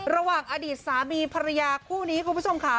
ระหว่างอดีตสามีภรรยาคู่นี้คุณผู้ชมค่ะ